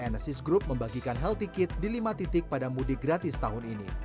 nsis group membagikan healthy kit di lima titik pada mudik gratis tahun ini